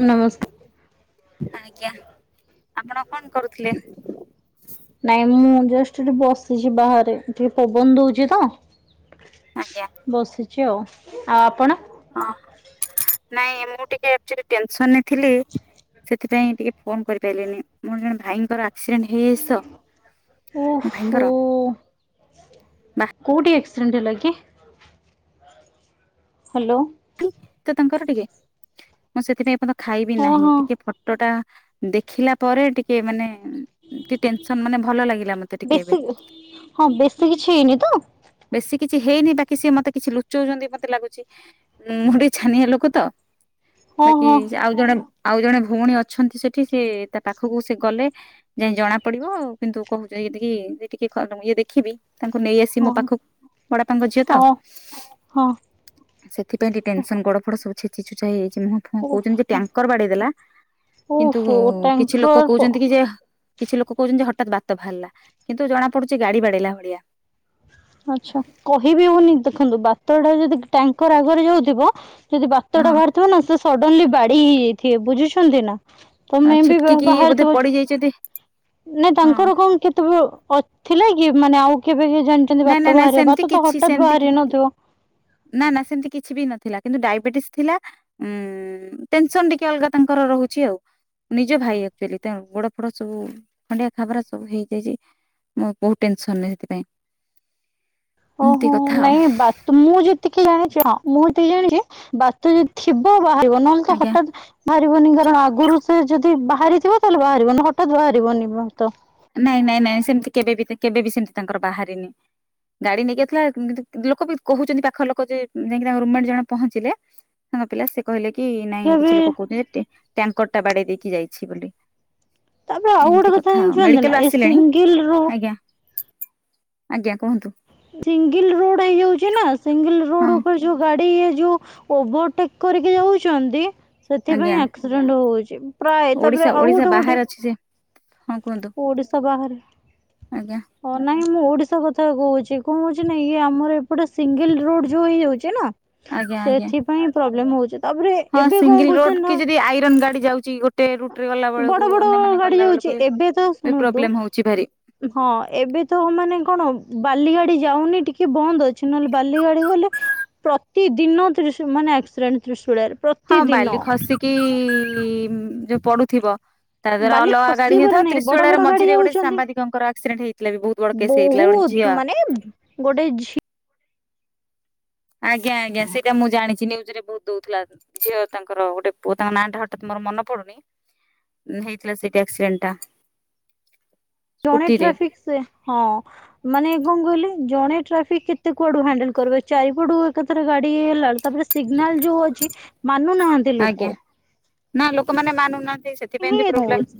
ନମସ୍କାର ଆଜ୍ଞା ଆପଣ କଣ କରୁଥିଲେ? ନାଇଁ ମୁଁ ଜଷ୍ଟ ଏଠି ବସିଛି ବାହାରେ ଟିକେ ପବନ ଦଉଛି ତ। ଆଜ୍ଞା ବସିଛି ଆଉ, ଆଉ ଆପଣ? ହଁ ନାଇଁ ମୁଁ ଟିକେ ଏକ୍ଚୁଲି ଟେନସନ୍ ନେ ଥିଲି। ସେଥିପାଇଁ ଟିକେ ଫୋନ୍ କରିପାଇଲିନି। ମୋର ଜଣେ ଭାଇଙ୍କର ଆକ୍ସିଡେଣ୍ଟ ହେ ହିସ ଓହୋ ଭାଇଙ୍କର। ବାହାତ କୋଉଠି ଏକ୍ସିଡେଣ୍ଟ ହେଲା କି? ହ୍ୟାଲୋ। [unintelligible] ତ ତାଙ୍କର ଟିକେ ମୁଁ ସେଥିପାଇଁ ଏପନ୍ତ ଖାଇବି ହଁ ନାହିଁ। ହଁ ଟିକେ ଫ ଟୋ ଟା ଦେଖିଲା ପରେ ଟିକେ ମାନେ ଟିକେ ଟେନସନ୍ ମାନେ ଭଲ ଲାଗିଲା ମୋ ବେଶୀ ହଁ ବେଶୀ କିଛି ହେଇନି ତ? ବେଶୀ କିଛି ହେଇନି ବାକି ସିଏ ମୋତେ କିଛି ଲୁଚଉଚନ୍ତି ମୋତେ ଲାଗୁଛି। ଉଁ, ମୁଁ ଟିକେ ଛାନିଆ ଲୋକ ତ, ହଁ ବାକି ହଁ ସେ ଆଉ ଜଣେ ଆଉ ଜଣେ ଭଉଣୀ ଅଛନ୍ତି ସେଠି ସେ ତା ପାଖକୁ ସେ ଗଲେ। ଯାଇ ଜଣା ପଡିବ କିନ୍ତୁ କହୁଛ ଏତିକି ଯେ ଟିକେ ଖ-ଇଏ ଦେଖିବି ତାଙ୍କୁ ନେଇ ଆସି ମୋ ପାଖ ହଁ ବଡାପାଙ୍କ ଝିଅ ତ ହଁ ହଁ ସେଥି ପାଇଁ ଟିକେ ଟେନସନ୍ ଗୋଡ଼ ଫୋଡ଼ ସବୁ ଛେଚି ଛୁଚା ହେଇଯାଇଛି ମୁହଁ ହଁ ଓହୋ କହୁଚନ ଯେ ଟ୍ୟାଙ୍କର ବାଡେଇ ଦେଲା କିନ୍ତୁ ଓହୋ ଉ, କିଛି ଲୋକ ଟ୍ୟାଙ୍କର କହୁଛନ୍ତି କି ଯେ କିଛି ଲୋକ କହୁଛନ୍ତି ଯେ ହଠାତ୍ ବାତ ବାହାରିଲା କିନ୍ତୁ ଜଣା ପଡୁଚି ଗାଡି ବାଡେଇଲା ଭଳିଆ। ଆଛା କହିବି ହଉନି ଦେଖନ୍ତୁ ବାତ ଟା ଯଦି ଟ୍ୟାଙ୍କର ଆଗରେ ଯାଉଥିବ ଯଦି ବାତଟା ହଁ ବାହାରିଥିବ ନା ସେ ସଡନଲି ବାଡେଇ ହେଇଯାଇଥିବେ ବୁଝୁଛନ୍ତି ନା? ତ ମେ ବି ବା- ଛିଟକିକି ବାହାରି ବୋଧେ ଥିବ ପଡି ଛ- ଯାଇଛନ୍ତି ନାଇଁ ହଁ ତାଙ୍କର କଣ କେତେ ବେଳୁ ଅ ଥିଲା କି ମାନେ ଆଉ କେବେ କେ ଜାଣିଚନ୍ତି ନାଇଁ ନାଇଁ ବାତ ନାଇଁ ବାହାରିବା ସେମିତି ବାତ ତ କିଛି ହଠାତ୍ ବାହାରି ନ ସେମିତି ଥିବ? ନା ନା ସେମତି କିଛି ବି ନ ଥିଲା କିନ୍ତୁ ଡାଇବେଟିସ୍ ଥିଲା। ଉଁ, ଟେନସନ୍ ଟିକେ ଅଲଗା ତାଙ୍କର ରହୁଛି ଆଉ। ନିଜ ଭାଇ ଏକ୍ଚୁଲି ତା ଗୋଡ ଫୋଡ ସବୁ ଖଣ୍ଡିଆ ଖାବରା ସବୁ ହେଇଯାଇଛି। ମୁଁ ବହୁତ ଟେନସନ୍ ନେ ସେଥିପାଇଁ। ଓ ଏମିତି ହୋ, କଥା ଆଉ ନାହି ବା ତ ମୁଁ ଯେତିକି ଜାଣିଛି ହଁ ମୁଁ ଯେତିକି ଜାଣିଚି ବାତ ଯଦି ଥିବ ବାହାରିବ। ନହେଲେ ତ ଆଜ୍ଞା ହଠାତ୍ ବାହାରିବନି କାରଣ ଆଗୁରୁ ସେ ଯଦି ବାହାରିଥିବ ତାହେଲେ ବାହାରିବ ନ ହଠାତ୍ ବାହାରିବନି ବାତ। ନାଇଁ ନାଇଁ ନାଇଁ ସେମିତି କେବେବି ତେ- କେବେବି ସେମିତି ତାଙ୍କର ବାହାରିନି। ଗାଡି ନେଇକି ଆଇଥିଲା ଉଁ, କିନ୍ତୁ କି- ଲୋକ ବି କହୁଚନ୍ତି ପାଖ ଲୋକ ଯେ ଉଁ, ଯାଇକି ତାଙ୍କ ରୁମମେଟ୍ ଜଣେ ପହଞ୍ଚିଲେ। ସାଙ୍ଗ ପିଲା ସେ କହିଲେ କି ନାଇଁ ତଥାପି କିଛି ଲୋକ କହୁଚନ୍ତି ଟେ- ଟ୍ୟାଙ୍କର ଟା ବାଡେଇ ଦେଇକି ଯାଇଛି ବୋଲି। ତାପରେ ଆଉ ଏମିତି ଗୋଟେ କଥା ଆଉ ଜାଣିଛନ୍ତି ନା ମେଡିକାଲରୁ ଏ ଆସିଲେଣି ସିଙ୍ଗଲ୍ ରୋ ଆଜ୍ଞା ଆଜ୍ଞା କୁହନ୍ତୁ। ସିଙ୍ଗିଲ୍ ରୋଡ ହେଇ ଯାଉଛି ନା ସିଙ୍ଗିଲ୍ ହଁ ରୋଡ ଉପରେ ଯୋଉ ଗାଡି ଇଏ ଯୋଉ ଓଭରଟେକ୍ କରିକି ଯାଉଛନ୍ତି। ସେଥିପାଇଁ ଆଜ୍ଞା ଆକ୍ସିଡେଣ୍ଟ ହଉଚି। ପ୍ରାୟ ତାପରେ ଓଡିଶା ଆଉ ଓଡିଶା ଗୋଟେ ବାହାରେ ଗୋଟେ ଅଛି ସେ ହଁ କୁହନ୍ତୁ ଓଡିଶା ବାହାରେ ଆଜ୍ଞା ହଁ ନାଇଁ ମୁଁ ଓଡିଶା କଥା କହୁଚି। ଯେ କୋଣାସି ନାଇ। ଇଏ ଆମର ଏପଟେ ସିଙ୍ଗିଲ୍ ରୋଡ ଯୋଉ ହେଇଯାଉଛି ନା ଆଜ୍ଞା ଆଜ୍ଞା। ସେଥି ପାଇଁ ପ୍ରବଲେମ୍ ହଉଚି। ତାପରେ ହଁ ଏବେ କଣ ସିଙ୍ଗଲ ରୋଡ କରୁଛନ୍ତି କି ନା ଯଦି ଆଇରନ୍ ଗାଡି ଯାଉଛି ଗୋଟେ ରୁଟ ରେ ଗଲା ବେଳକୁ ବଡ ବଡ ଅନ୍ୟମାନେ ଗାଡି ଗଲା ଯାଉ ବେଳକୁ ଚି ବି ଏବେ ତ ଶୁଣନ୍ତୁ ପ୍ରୋବ୍ଲେମ ହଉଛି ଭାରି ହଁ ଏବେ ତ ମାନେ କଣ ବାଲି ଗାଡି ଯାଉନି ଟିକେ ବନ୍ଦ ଅଛି। ନହେଲେ ବାଲି ଗାଡି ଗଲେ ପ୍ରତିଦିନ ତ୍ରିଶ ମାନେ ଆକ୍ସିଡେଣ୍ଟ ତ୍ରିଶୂଳିଆରେ। ହଁ ପ୍ରତିଦିନ ବାଲି ଖସିକି ଇ ଯୋଉ ପଡୁଥିବ। ତା ଧୀଏରେ ବାଲି ଅଲଗା ଗାଡି ଖସିବାର ହେଇଥାଉ। ନାହିଁ ବଡ଼ ତ୍ରିଶୁଳିଆରେ ବଡ଼ ଗାଡ଼ି ମଝିରେ ଗୋଟେ ସାମ୍ବାଦିକଙ୍କର ଆକ୍ସିଡେଣ୍ଟ ହେଇଥିଲା ବି ବହୁତ ବଡ଼ ବହୁତ୍ ମାନେ ଗୋଟେ ଝି ଆଜ୍ଞା ଆଜ୍ଞା ସେଇଟା ମୁଁ ଜାଣିଛି। ନ୍ୟୁଜରେ ବହୁତ ଦଉଥିଲା। ଝିଅ ତାଙ୍କର ଗୋଟେ ପୁଅ ତାଙ୍କ ନାଁ ଟା ହଠାତ୍ ମୋର ମନେ ପଡୁନି। ହେଇଥିଲା ସେଇଟି ଆକ୍ସିଡେଣ୍ଟ ଟା। ଜଣେ ସ୍କୁଟିରେ ଟ୍ରାଫିକ୍ ସେ, ହଁ। ମାନେ ଏ କଣ କହିଲେ। ଜଣେ ଟ୍ରାଫିକ୍ କେତେ କୁଆଡୁ ହ୍ୟାଣ୍ଡେଲ କରିବ ଚାରିପଟୁ ଏକାଥରେ ଗାଡି ହେଲା। ତାପରେ ସିଗ୍ନାଲ ଯୋଉ ଅଛି ମାନୁନାହାନ୍ତି ଲୋକ। ଆଜ୍ଞା ନା ଲୋକମାନେ ମାନୁନାହାନ୍ତି। ସେଥିପାଇଁ ହିଁ ଏମିତି ପ୍ରୋବ୍ଲେମ୍ ହଉଛି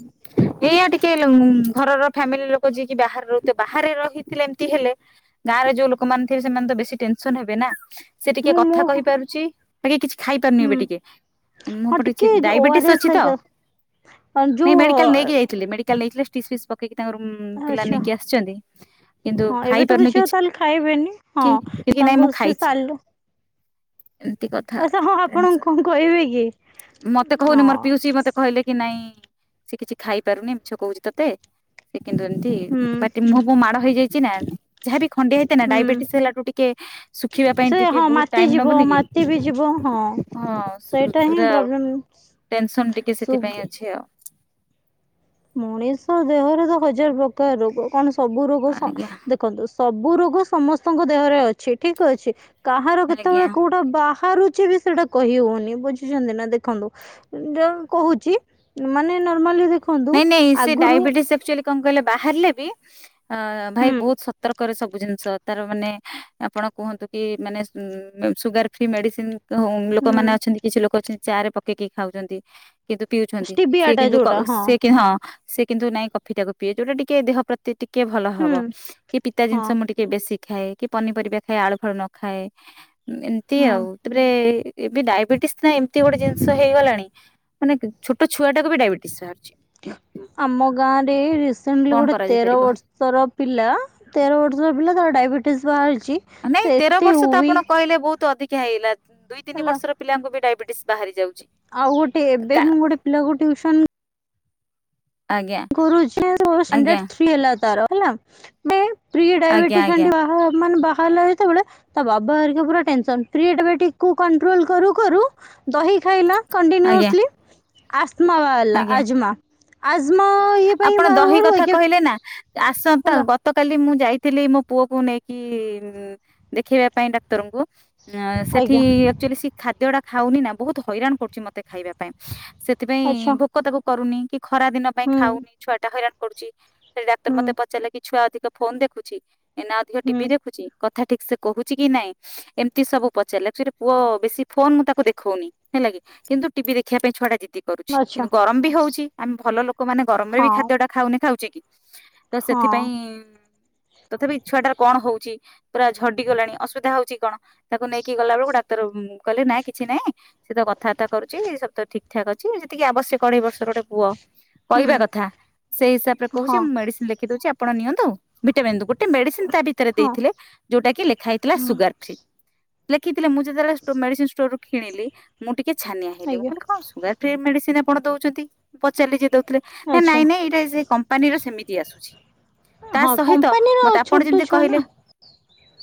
ଏଇଆ ଟିକେ ହେଲେ ଉଁ ଘରର ଫ୍ୟାମିଲି ଲୋକ ଯିଏକି ବାହାରେ ରହୁଥିବେ, ବାହାରେ ରହିଥିଲେ ଏମତି ହେଲେ ଗାଁରେ ଯୋଉ ଲୋକମାନେ ଥିବେ ସେମାନେ ତ ବେଶୀ ଟେନସନ ହେବେ ନାଁ। ସେ ମୁଁ ଟିକେ ମୋ କଥା କହି ପାରୁଚି। ବାକି କିଛି ଖାଇ ପାରୁନି ହୁଁ ଏବେ ଟିକେ। ମୁଁ ହଁ ଏପଟେ ଅଛି। ଟିକେ ଓ ଡାଇବେଟିସ୍ ଆର ଏସ୍ ଅଛି ତ ହେରିକା ଅ ନାଇଁ ଯୋଉ ମେଡିକାଲ ନେଇକି ଯାଇଥିଲି। ମେଡ଼ି କାଲି ନେଇଥିଲେ। ଷ୍ଟିସ ଫିସ୍ ପକେଇକି ତାଙ୍କର ଉଁ ପିଲା ଆଚ୍ଛା ନେଇକି ଆସିଛନ୍ତି। କିନ୍ତୁ ହଁ ଏବେ ତ ଖାଇପାରୁନି ଆଉ କିଛି। ତାହେଲେ ଖାଇବେନି ହଁ କି କିକି ନାଇଁ ତାଙ୍କୁ ମୁଁ ସେ ଖାଇଛି। ସାଲ ଏମିତି କ ଆଚ୍ଛା ହଁ ହଁ ଆପଣଙ୍କୁ କଣ କହିବେ କି? ମୋତେ କହୁନି ହଁ ମୋର ପିଉସି ମୋତେ କହିଲେ କି ନାଇଁ ସେ କିଛି ଖାଇପାରୁନି। ମିଛ କହୁଛି ତତେ। ସେ କିନ୍ତୁ ଏମତି। ହୁଁ ପାଟି ମୁହଁକୁ ମାଡ ହେଇଯାଇଛି ନାଁ। ଯାହାବି ଖଣ୍ଡିଆ ହେଇଥାଏନା ହୁଁ ଡାଇବେଟିସ ହେଲାଠୁ ଟିକେ ଶୁଖିବା ପାଇଁ ସେ ଟିକେ ହଁ ବହୁତ ମାତି ଟାଇମ୍ ଯିବ ନବନି କି? ମାତି ବି ଯିବ ହଁ ହଁ। ସେଇଟା ହିଁ ଦୁସୁୁରା ଆଉ ପ୍ରୋବ୍ଲେମ୍ ଟେନସନ ଟିକେ ସୁଗ୍ ସେଥିପାଇଁ ଅଛି ଆଉ। ମଣିଷ ଦେହରେ ତ ହଜାର ପ୍ରକାର ରୋଗ। କଣ ସବୁ ରୋଗ ସ ଆଜ୍ଞା ଦେ ଦେଖୁ ସବୁ ରୋଗ ସମସ୍ତଙ୍କ ଦେହରେ ଅଛି ଠିକ୍ ଅଛି। କାହାର ଆଜ୍ଞା କେତେବେଳେ କୋଉ ଟା ବାହାରୁଛି ବି ସେଇଟା କହି ହଉନି। ବୁଝୁଛନ୍ତି ନା ଦେଖନ୍ତୁ। ଯଉ କହୁଛି ମାନେ ନର୍ମାଲି ଦେଖନ୍ତୁ। ନାଇଁ ନାଇଁ ସେ ଆଗରୁ ଡାଇବେଟିସ ଆକଚ୍ୟାଲି କଣ କହିଲେ ବାହାରିଲେ ବି ଅ ଭାଇ ହୁଁ ବହୁତ ସତର୍କରେ ସବୁ ଜିନିଷ ତାର ମାନେ ଆପଣ କୁହନ୍ତୁ କି ମାନେ ସୁଗାର ଫ୍ରି ମେଡିସିନ ହୁଁ ଲୋକମାନେ ଅଛନ୍ତି। କିଛି ଲୋକ ଅଛନ୍ତି। ଚା ରେ ପକେଇକି ଖାଉଛନ୍ତି। କିନ୍ତୁ ପିଉଛନ୍ତି। ଷ୍ଟିବିଆ ସେ ଟା କିନ୍ତୁ କ ଯୋଉଟା ସେ ହଁ ସେ କିନ୍ତୁ ନାଇଁ କଫି ଟାକୁ ପିଏ। ଯୋଉଟା ଟିକେ ଦେହ ପ୍ରତି ଟିକେ ଭଲ ହୁଁ ହବ। କି ପିତା ହଁ ଜିନିଷ ମୁଁ ଟି କିଏ ବେଶି ଖାଏ। କି ପନିପରିବା ଖାଏ ଆଳୁ ଫଳ ନ ଖାଏ। ଏମିତି ହୁଁ ଆଉ। ତାପରେ ଏବେ ଡାଇବେଟିସ ନା ଏମିତି ଗୋଟେ ଜିନିଷ ହେଇଗଲାଣି। ମାନେ ଛୋଟ ଛୁଆଟାକୁ ବି ଡାଇବେଟିସ୍ ବାହାରୁଚି। ଆମ ଗାଁରେ ରିସେଣ୍ଟଲି କଣ ଗୋଟେ କରାଯାଇ ତେର ପାରିବ ବର୍ ର୍ଷର ପିଲା ତେର ବର୍ଷର ପିଲା ତାର ଡାଇବେଟିସ୍ ବାହାରିଚି। ନାଇଁ ତେର ବର୍ଷ ତ ଆପଣ କହିଲେ ବହୁତୁ ଅଧିକା ହେଇଗଲା, ଦୁଇ ତିନି ହେଲା ବର୍ଷର ପିଲାଙ୍କୁ ବି ଡାଇବେଟିସ୍ ବାହାରି ଯାଉଚି। ଆଉ ଗୋଟେ ଏବେ ମୁଁ ଗୋଟେ ପିଲାକୁ ଟିଉସନ୍ ଆଜ୍ଞା କରୁଚି, ଆଜ୍ଞା ଷ୍ଟାଣ୍ଡାର୍ଡ ଥ୍ରୀ ହେଲା ତାର ହେଲା। [unintelligible] ପ୍ରି ଆଜ୍ଞା ଆଜ୍ଞା [unintelligible] ବାହା ମାନେ [unintelligible] ତେବେଳେ ତା ବାବା ହେରିକା ପୁରା ଟେନ୍ସନ୍, ପ୍ରୀ ଡାଇବେଟିକ୍ କୁ କଣ୍ଟ୍ରୋଲ୍ କରୁ-କରୁ ଦହି ଖାଇଲା ଆଜ୍ଞା କଣ୍ଟିନିଓସ୍ଲି ଆସ୍ମା ବାହାରିଲା ଆଜ୍ଞା। ଆଜ୍ମା। ଆଜ୍ମା ଆପଣ ଦହି କଥା କହିଲେ ନା, ଆସନ୍ତା ଗ ହେଲା ଗତକାଲି ମୁଁ ଯାଇଥିଲି ମୋ ପୁଅକୁୁ ନେଇକି ଦେଖେଇବା ପାଇଁ ଡାକ୍ତରଙ୍କୁ। ସେଠି ଆଜ୍ଞା ଆକ୍ଚୁଅଲି ଖାଦ୍ୟ ଟା ଖାଉନି ନା ବହୁତ୍ ହଇରାଣ କରୁଚି ମତେ ଖାଇବାକୁ। ସେଥିପାଇଁ ଆଚ୍ଛା ଭୋକ ତାକୁ କରୁନି କି ଖରା ଦିନ ପାଇଁ ହୁଁ ଖାଉନି ଛୁଆ ଟା ହଇରାଣ କରୁଚି। ସେଇ ଡାକ୍ତର ହୁଁ ମତେ ପଚାରିଲେ କି ଛୁଆ ଅଧିକ ଫୋନ୍ ଦେଖୁଛି, ଏ ନା ଅଧିକ ଟିଭିି ହୁଁ ଦେଖୁଛି କଥା ଠିକ୍ସେ କହୁଚି କି ନାଇଁ ଏମ୍ତି ସବୁ ପଚାରିଲେ ଆକଚୁଆଲି ପୁଅ ବେଶୀ ଫୋନ୍ ମୁଁ ତାକୁ ଦେଖୋଉନି ହେଲା କି। କିନ୍ତୁ ଟିଭି ଦେଖିବା ପାଇଁ ଛୁଡା ଜିଦି କରୁଛି, ଆଚ୍ଛା କିନ୍ତୁ ଗରମ୍ ବି ହଉଛି ଆମେ ଭଲ ଲୋକମାନେ ଗରମ୍ ରେ ବି ହଁ ଖାଦ୍ୟ ଟା ଖାଉନେ ଖାଉଚେ କି ତ ହଁ ସେଥିପାଇଁ ତଥାପି ଛୁଆଟାର କଣ ହଉଚି ପୁରା ଝଡିଗଲାଣି ଅସୁବିଧା ହଉଚି କଣ ତାକୁ ନେଇକି ଗଲା ବେଳୁକୁ ଡାକ୍ତର କହିଲେ ନାଇଁ କିଛି ନାହିଁ ସେ ତ କଥାବାର୍ତା କରୁଚି ସବୁ ତ ଠିକ୍ ଠାକ୍ ଅଛି, ମୁଁ ଯେତିକି ଆବଶ୍ୟକ ଅଢେଇ ବର୍ଷର ଗୋଟେ ପୁଅ ହୁଁ କହିବା କଥା ସେଇ ହିସାବରେ କହୁଚି, ହଁ ମୁଁ ମେଡିସିନ୍ ଲେଖିଦଉଚି ଆପଣ ନିଅନ୍ତୁ। ଭିଟାମନ୍ ଗୋଟେ ମେଡିସିନ୍ ତା ଭିତେରେ ହଁ ଦେଇଥିଲେ ଯୋଉଟା କି ଲେଖା ହେଇଥିଲା ହଁ ସୁଗାର୍ ଫ୍ରି। ଲେଖିଥିଲେ ମୁଁ ଯେତେବେଳେ ଷ୍ଟୋ ମେଡିସିନ୍ ଷ୍ଟୋର୍ ରୁ କିଣିଲି ମୁଁ ଟିକେ ଛାନିଆ ହେଲି, ମୁଁ ଆଜ୍ଞା କହିଲି କଣ ସୁଗାର୍ ଫ୍ରି ମେଡିସିନି ଆପଣ ଦଉଚନ୍ତି, ପଚାରିଲି ଯିଏ ଦଉ ଥିଲେ, ଏ ଆଚ୍ଛା ନାଇଁ-ନାଇଁ ଏଇଟା ସେ କମ୍ପାନୀର ସେମିତି ଆସୁଛି। ତା ହଁ ସହିତ କମ୍ପାନୀର ମତେ ଆପଣ ଛୋଟ ଯେମ୍ତି ଛୁଆ ନା କହିଲେ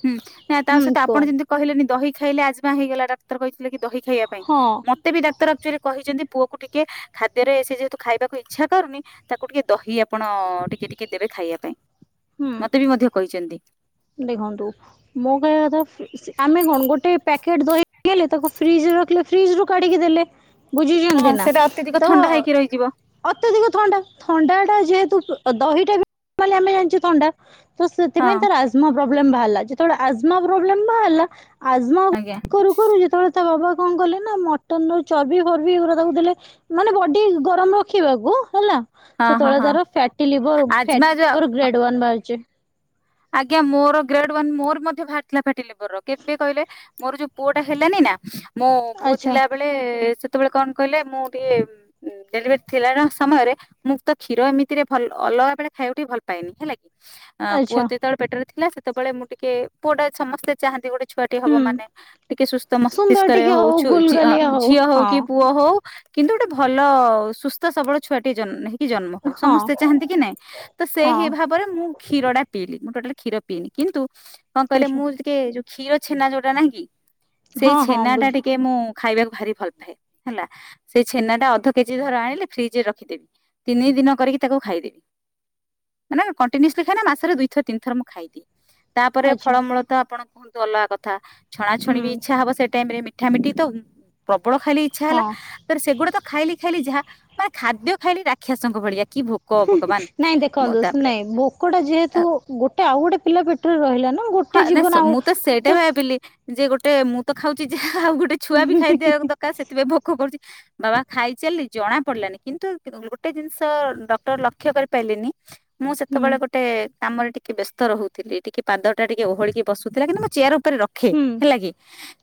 ହୁଁ ନା ତା ହୁଁ ସହିତ ଆପଣ କୁହନ୍ତୁ ଯେମ୍ତି କହିଲେନି ଦହି ଖାଇଲେ ଆଜ୍ମା ହେଇଗଲା, ଡାକ୍ତର କହିଥିଲେ କି ଦହି ଖାଇଆ ପାଇଁ, ହଁ ମତେ ବି ଡାକ୍ତର୍ ଆକଚୁଅଲି କହିଚନ୍ତି ପୁଅକୁ ଟିକେ ଖାଦ୍ୟରେ ସେ ଯେହେତୁ ଖାଇବା ଇଛା କରୁନି ତାକୁ ଟିକେ ଦହି ଆପଣ ଟିକେ-ଟିକେ ଦେବେ ଖାଇଆ ପାଇଁ। ହୁଁ ମତେ ବି ମଧ୍ୟ କହିଚନ୍ତି। ଦେଖନ୍ତୁ ମୋ କହିଆ କଥା ଆମେ କଣ ଗୋଟେ ପ୍ୟାକେଟ୍ ଦହି [unintelligible] ତାକୁ ଫ୍ରିଜରେ ରଖିଲେ ଫ୍ରିଜ୍ ରୁ କାଢିକି ଦେଲେ, ହଁ ବୁଝିଛନ୍ତି ନା ସେଇଟା ଅତ୍ୟଧିକ ତ ଥଣ୍ଡା ହେଇକି ରହିଯିବ ଅତ୍ୟଧିକ ଥଣ୍ଡା, ଥଣ୍ଡାଟା ଯେହେତୁ ଦହିଟା ବି ମାନେ ଆମେ ଜାଣିଚେ ଥଣ୍ଡା। ତ ହଁ ସେଥିପାଇଁ ତାର ଆଜ୍ମା ପ୍ରୋବ୍ଲେମ୍ ବାହାରିଲା, ଯେତବଳେ ଆଜ୍ମା ପ୍ରୋବ୍ଲେମ୍ ବାହାରିଲା ଆଜ୍ମା ଆଜ୍ଞା। କରୁ-କରୁ ଯେତବଳେ ତା ବାବା କଣ କଲେ ନା ମଟନ୍ ର ଚର୍ବି ଫର୍ବି ଏଗୁରା ତାକୁ ଦେଲେ। ମାନେ ବଡି ଗରମ୍ ରଖିବାକୁ ହେଲା ହଁ ହଁ ସେତବଳେ ହଁ ତାର ଫ୍ୟାଟି ଲଭର୍ ଆଜମା ଯୋଉ [unintelligible] ଗ୍ରେଡ୍ ୱନ୍ ବାହାରିଚି। ଆଜ୍ଞା ମୋର ଗ୍ରେଡ୍ ୱାନ୍ ମୋର ବି ମଧ୍ୟ ବାହାରି ଥିଲା ଫ୍ୟାଟି ଲିଭର କେବେ କହିଲେ ମୋର ଯୋଉ ପୁଅଟା ହେଲାନି ନା, ମୋ ପୁଅ ଆଚ୍ଛା ଥିଲାବେଳେ ସେତେବେଳେ କଣ କହିଲେ, ମୁଁ ଟିକେ ଡେଲିଭରି ଥିଲା ସମୟରେ ମୁଁ ତ କ୍ଷୀର ଏମିତିରେ ଭଲ ଅଲଗା ବେଳେ ଖାଇକୁ ଟିକି ଭଲ ପାଏନି, ହେଲା କି? ପୁଅ ଆଚ୍ଛା ଯେତେବେଳେ ପେଟରେ ଥିଲା, ସେତେବେଳେ ମୁଁ ଟିକେ ପୁଅ ଟା ସମସ୍ତେ ଚାହାନ୍ତି ଗୋଟେ ଛୁଆଟି ହବ ହୁଁ ମାନେ ଟିକେ ସୁସ୍ଥ ସୁନ୍ଦର ମସ୍ତିଷ୍କରେ ଟିକେ ହଉ। ଛୁ ଝି ଅଁ ଗୁଲଗାଲିଆ ଝିଅ ହଉ କି ହଁ ପୁଅ ହଉ କିନ୍ତୁ ଗୋଟେ ଭଲ ସୁସ୍ଥ ସବଳ ଛୁଆଟି ଜ କି ଜନ୍ମ ହଉ ହଁ ସମସ୍ତେ ଚାହାନ୍ତି କି ନାଇଁ? ତ ସେଇ ହଁ ହଇ ଭାବରେ ମୁଁ କ୍ଷୀର ଟା ପିଇଲି, ମୁଁ ଟୋଟାଲ କ୍ଷୀର ପିଏନି। କିନ୍ତୁ କଣ କହିଲେ ଆଚ୍ଛା ମୁଁ ଟିକେ ଯୋଉ କ୍ଷୀର ଛେନା ଯୋଉଟା ନାଁହିଁ କି ସେଇ ହଁ ହଁ ଛେନା ଟା ବୁଝି ଟିକେ ମୁଁ ଖାଇବାକୁ ଭାରି ଭଲ ପାଏ। ହେଲା। ସେହି ଛେନା ଟା ଅଧ କେଜି ଧର ଆଣିଲେ ଫ୍ରିଜ ରେ ରଖିଦେବି। ତିନି ଦିନ କରିକି ତାକୁ ଖାଇଦେବି। ମାନେ କଣ୍ଟିନିଅସ ଖାଏନା ମାସରେ ଦୁ ଥର, ତିନିଥର ମୁଁ ଖାଇଦିଏ। ତାପରେ ଆଚ୍ଛା ଫଳମୂଳ ତ ଆପଣ କୁହନ୍ତୁ ଅଲଗା କଥା। ଛଣାଛଣି ହୁଁ ବି ଇଚ୍ଛା ହବ। ସେ ଟାଇମ ରେ ମିଠା ମିଠି ତ ପ୍ରବଳ ଖାଇଲି ଇଚ୍ଛା ହେଲା। ହଁ ତ ସେଗୁଡା ତ ଖାଇଲି ଖାଇଲି ଯାହା, ମାନେ ଖାଦ୍ୟ ଖାଇଲି ରାକ୍ଷୀସଙ୍କ ଭଳିଆ। କି ଭୋକ ହି ହିଁ ଭଗବାନ ନାଇଁ ମୁଁ ଦେଖନ୍ତୁ ତାପରେ ନାଇଁ ଭୋକଟା ଯେହେତୁ ଗୋ ଗୋଟେ ଆଉ ଗୋଟେ ପିଲା ପେଟ ରହିଲା ନା ହଁ ଗୋଟେ ନା ସ ଜୀବନ ଆଉ ମୁଁ ସେଇଟା ତ ଭାବିଲି ଯେ ଗୋଟେ ମୁଁ ତ ଖାଉଛି ଯାହା ଆଉ ଗୋଟେ ଛୁଆ ବି ଖାଇଦିଆ ଦରକାର ସେଥିପାଇଁ ଭୋକ କରୁଚି। ବାବା ଖାଇଚାଲିଚ ଜଣା ପଡିଲାନି, କିନ୍ତୁ ଗୋଟେ ଜିନିଷ ଡକ୍ଟର ଲକ୍ଷ୍ୟ କରିପାରିଲେନି ମୁଁ ହୁଁ ସେତେବେଳେ ଗୋଟେ କାମରେ ଟିକେ ବ୍ୟସ୍ତ ରହୁଥିଲି। ଟିକେ ପାଦ ଟା ଟିକେ ଓହଳିକି ବସୁଥିଲା। କିନ୍ତୁ ମୁଁ ଚେୟାର ଉପରେ ରଖେ, ହୁଁ ହେଲା କି?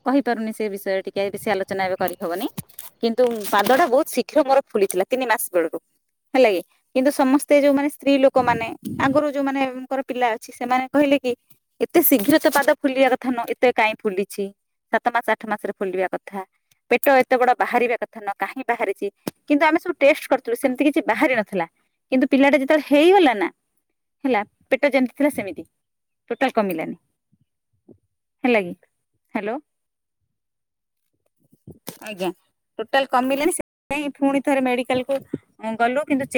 କହିପାରୁନି ସେ ବିଷୟରେ ଟିକେ ବେଶି ଆଲୋଚନା ଏବେ କରିହବନି। କିନ୍ତୁ ପାଦ ଟା ବହୁତ ଶୀଘ୍ର ମୋର ଫୁଲିଥିଲା ତିନି ମାସ ବେଳକୁ, ହେଲା କି? କିନ୍ତୁ ସମସ୍ତେ ଯୋଉମାନେ ସ୍ତ୍ରୀ ଲୋକ ମାନେ ଆଗରୁ ଯୋଉମାନେଙ୍କର ପିଲା ଅଛି ସେମାନେ କହିଲେ କି ଏତେ ଶୀଘ୍ର ତ ପାଦ ଫୁଲିବା କଥା ନୁହଁ। ଏତେ କାଇଁ ଫୁଲିଚି। ସାତ ମାସ ଆଠ ମାସରେ ଫୁଲିବା କଥା। ପେଟ ଏତେ ବଡ ବାହାରିବା କଥା ନୁହଁ, କାହିଁ ବାହାରିଚି। କିନ୍ତୁ ଆମେ ସବୁ ଟେଷ୍ଟ କରିଥିଲୁ ସେମିତି କିଛି ବାହାରି ନଥିଲା। କିନ୍ତୁ ପିଲାଟା ଯେତେବେଳେ ହେଇଗଲା ନା ହେଲା, ପେଟ ଯେମିତି ଥିଲା ସେମିତି। ଟୋଟାଲ କମିଲାନି, ହେଲା କିି? ହ୍ୟାଲୋ। [inaudible] ଆଜ୍ଞା। ଟୋଟାଲ କମିଲାନି ସେଥିପାଇଁ ପୁଣି ଥରେ ମେଡିକାଲକୁ ଗଲୁ। କିନ୍ତୁ ଚେ